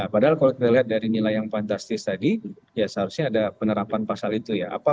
padahal kalau kita lihat dari nilai yang fantastis tadi ya seharusnya ada penerapan pasal itu ya